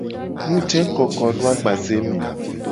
Nujekodoagbazeme.